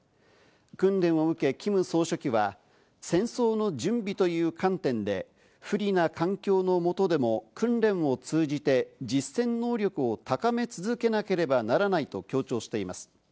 訓練を受け、キム総書記は戦争の準備という観点で、不利な環境のもとでも、訓練を通じて実戦能力を高め続けなければならないと強調しています。